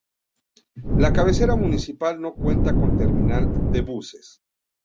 La cabecera municipal no cuenta con terminal de buses.